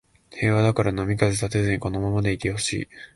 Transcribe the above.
平和だから波風立てずにこのままでいてほしい